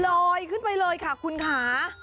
ลอยขึ้นไปเลยค่ะคุณค่ะ